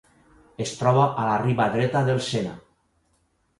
Es troba a la Riba Dreta del Sena.